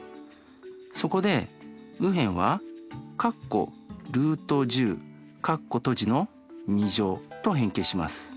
そこで右辺はと変形します。